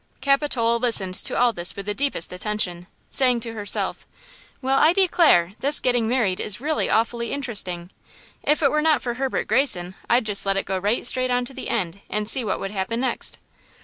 Capitola listened to all this with the deepest attention, saying to herself: "Well, I declare, this getting married is really awfully interesting! If it were not for Herbert Greyson, I'd just let it go right straight on to the end and see what would happen next!"